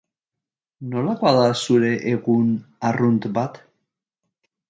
Nolakoa da zure egun arrunt bat?